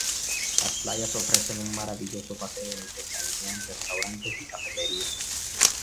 Las playas ofrecen un maravilloso paseo en el que se alinean restaurantes y cafeterías.